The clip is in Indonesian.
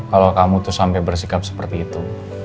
kalo kamu tuh sampe bersikap seperti itu